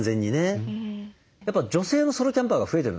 やっぱ女性のソロキャンパーが増えてるんですよ。